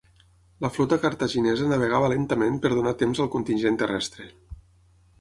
La flota cartaginesa navegava lentament per donar temps al contingent terrestre.